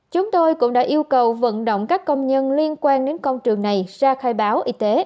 chúng tôi cũng đã yêu cầu vận động các công nhân liên quan đến công trường này ra khai báo y tế